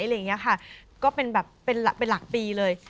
อะไรอย่างนี้ค่ะก็เป็นแบบเป็นหลักปีเลย